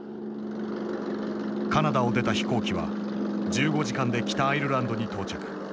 カナダを出た飛行機は１５時間で北アイルランドに到着。